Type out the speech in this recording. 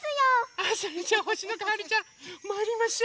あそれじゃあほしのこはるちゃんまいりましょう。